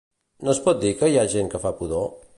No és pot dir que hi ha gent que fa pudor?